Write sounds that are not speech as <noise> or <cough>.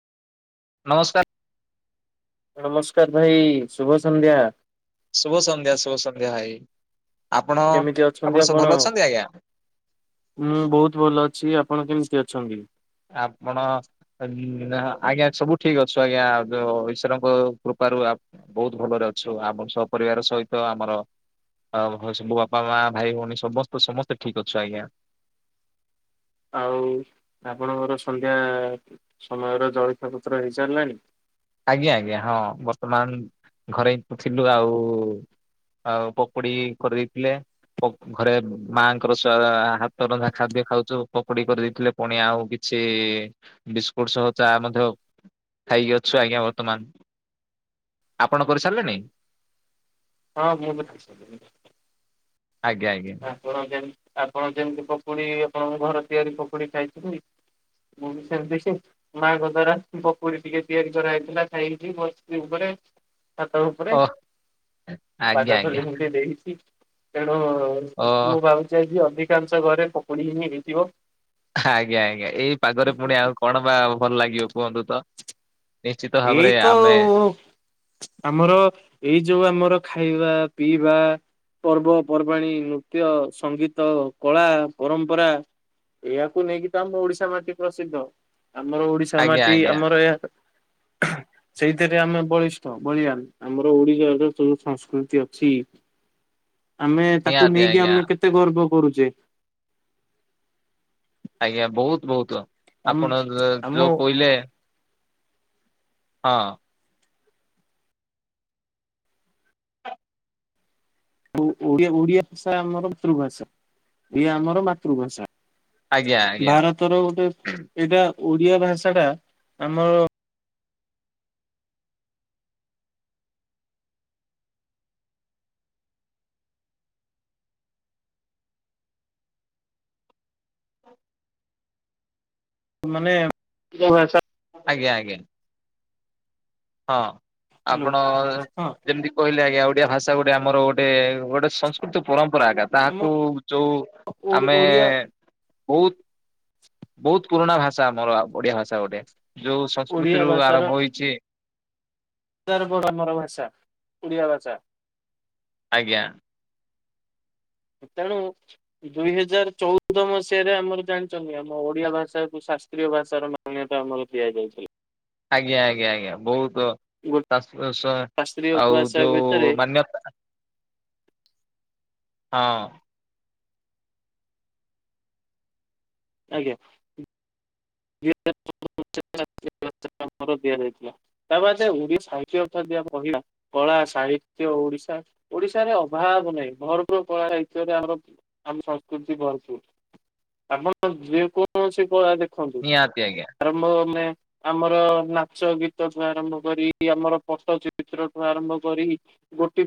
ନମସ୍କାର୍। ନମସ୍କାର୍ ଭାଇ ଶୁଭ ସନ୍ଧ୍ୟା। ଶୁଭ ସନ୍ଧ୍ୟା ଶୁଭ ସନ୍ଧ୍ୟା ଭାଇ। ଆପଣ କେମିତି ଅଛନ୍ତି ଆପଣ ସବୁ ଭଲ ଅଛନ୍ତି ଆଜ୍ଞା? ମୁଁ ବହୁତ୍ ଭଲ ଅଛି। ଆପଣ କେମିତି ଅଛନ୍ତି? ଆପଣ ଅନା ଆଜ୍ଞା ସବୁ ଠିକ୍ ଅଛୁ ଆଜ୍ଞା ଦ ଈଶ୍ୱରଙ୍କ କୃପାରୁ ଆ ବହୁତ୍ ଭଲରେ ଅଛୁ ଆମ ସପରିବାର ସହିତ ଆମର ଆ ଭସ୍ ସବୁ ବାପା ମା ଭାଇ ଭଉଣୀ ସମସ୍ତେ ସମସ୍ତେ ଠିକ୍ ଅଛୁ ଆଜ୍ଞା। ଆଉ ଆପଣଙ୍କର ସନ୍ଧ୍ୟା ସମୟର ଜଳଖଆ ପତ୍ର ହେଇ ସାର୍ ଲାଣି? ଆଜ୍ଞା ଆଜ୍ଞା ହଁ ବର୍ତ୍ତମାନ ଘରେ <unintelligible> ଥିଲୁ ଆଉ ଆଉ ପକୁଡି କରିଦେଇଥିଲେ ପକୁ ଘରେ ମାଙ୍କର ସା ହାତ ରନ୍ଧା ଖାଦ୍ୟ ଖାଉଚୁ ପକୋଡି କରି ଦେଇଥିଲେ ପୁଣି ଆଉ କିଛି ବିସ୍କୁଟ୍ ସହ ଚା ମଧ୍ୟ ଖାଇ ଅ ଛୁ ଆଜ୍ଞା ବର୍ତ୍ତମାନ୍। ଆପଣ କରିସାରିଲେଣି? ହଁ ମୁଁ ବି ଖାଇ ସାଇଲିଣି। ଆଜ୍ଞା ଆଜ୍ଞା। ଆପଣ ଯେମ୍ ଆପଣ ଯେମ୍ତି ପକୁଡି ଆପଣଙ୍କ ଘର ତିଆରି ପକୁଡି ଖାଇଛନ୍ତି ମୁଁ ବି ସେମ୍ତି ସେ ମାଙ୍କ ଦ୍ଵାରା ପକୁଡି ଟିକେ ତିଆରି କରାହେଇଥିଲା ଖାଇକି ବସଚି ଉପରେ। ଛାତ ଉପରେ ଓ ଆଜ୍ଞା ପାଗ ତ ଆଜ୍ଞା ଯେମ୍ତି ଦେଇଚି। ତେଣୁ ଓ ମୁଁ ଭାବୁଚି ଆଜି ଅଧିକାଂଶ ଘରେ ପକୁଡି ହିଁ ହେଇଥିବ। ଆଜ୍ଞା ଆଜ୍ଞା ଏଇ ପାଗରେ ପୁଣି ଆଉ କଣ ବା ଭଲ ଲାଗିବ କୁହନ୍ତୁ ତ। ନିଶ୍ଚିତ ଭାବରେ ଏଇ ତ ଆମେ <unintelligible> ଆମର ଏଇ ଯୋଉ ଆମର ଖାଇବା ପିଇବା। ପର୍ବପର୍ବାଣୀ ନୃତ୍ୟ ସଙ୍ଗୀତ କଳା ପରମ୍ପରା। ଏହାକୁ ନେଇକି ତ ଆମ ଓଡିଶା ମାଟି ପ୍ରସିଦ୍ଧ ଆମର ଓଡିଶା ଆଜ୍ଞା ମାଟି ଆଜ୍ଞା ଆମର ଏହା <inaudible> ସେଇଥିରେ ଆମେ ବଳିଷ୍ଠ ବଳିିଆନ୍ ଆମର ଓଡିଶାର ଯୋଉ <unintelligible> ସଂସ୍କୃତି ଅଛି ଆମେ ତାକୁ ନିହାତି ନେଇକି ଆଜ୍ଞା ଆମେ କେତେ ଗର୍ବ କରୁଚେ। ଆଜ୍ଞା ବହୁତ୍ ବହୁତ ଆମ ଆପଣ ଯ ଆମ ଯୋ କୋଇଲେ ହଁ। ଓ ଓ ଓଡିଆ ଭାଷା ଆମର ମାତୃଭାଷା ଏ ଆମର ମାତୃଭାଷା। ଆଜ୍ଞା ଆଜ୍ଞା ଭାରତର ଗୋଟେ ଏଇଟା ଓଡିଆ ଭାଷା ଟା ଆମର ମାନେ <unintelligible> ଭାଷା। ଆଜ୍ଞା ଆଜ୍ଞା। ହଁ ହ୍ୟାଲୋ ଆପଣ ହଁ ଯେମ୍ତି କହିଲେ ଆଜ୍ଞା ଓଡିଆ ଭାଷା ଗୋଟେ ଆମର ଗୋଟେ ଗୋଟେ ସଂସ୍କୃତି ପରମ୍ପରା ଆକା। ଆମ ତାହାକୁ ଯୋଉ ଓଡି ଆମେ ଓଡିଆ ବହୁତ୍ ବହୁତ୍ ପୁରୁଣା ଭାଷା ଆମର ଓଡିଆ ଭାଷା ଗୋଟେ ଯୋଉ ଓଡିଆ ସଂସ୍କୃତିରୁ ଆରମ୍ଭ ହୋଇଛି। ତାର୍ ବଡ ଆମର ଭାଷା ଓଡ଼ିଆ ଭାଷା। ଆଜ୍ଞା। ଉ ତେଣୁ ଦୁଇ ହଜାର ଚଉଦ ମସିହାରେ ଆମର ଜାଣିଚନ୍ତି ଆମ ଓଡିଆ ଭାଷା କୁ ଶାସ୍ତ୍ରୀୟ ଭାଷାର ମା ମାନ୍ୟତା ଆମର ଦିଆଯାଇଥିଲା। ଆଜ୍ଞା ଆଜ୍ଞା ଆଜ୍ଞା ବହୁତ୍ ଗୋଟେ ଶାଶ୍ୱତ ଶାସ୍ତ୍ରୀୟ ଆଉ ଭାଷା ଭିତରେ ଯୋଉ ମାନ୍ୟତା। ହଁ। ଆଜ୍ଞା। <unintelligible> ଆମର ଦିଆଯାଇଥିଲା। ତା ବାଦେ ଓଡି ସାହିତ୍ୟ ଅର୍ଥ ଯେ କହିଲା। କଳା ସାହିତ୍ୟ ଓଡିଶା ଓଡିଶାରେ ଅଭାବ ନାହିଁ ଭରପୂର କଳା ସାହିତ୍ୟରେ ଆମର ଆମ ସଂସ୍କୃତି ଭରପୁର ଆପଣ ଯେ କୌଣସି କଳା ଦେଖନ୍ତୁ। ନିହାତି ଆଜ୍ଞା। ଆରମ୍ଭ ଆମେ ଆମର ନାଚ ଗୀତଠୁ ଆରମ୍ଭ କରି ଆମର ପଟ୍ଟ ଚିତ୍ରଠୁ ଆରମ୍ଭ କରି ଗୋଟି